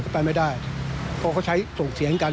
ไปไม่ได้เพราะเขาใช้ส่งเสียงกัน